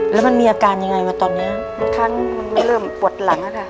แล้วมันมีอาการยังไงวะตอนนี้ลูกค้ามันไม่เริ่มปวดหลังอะค่ะ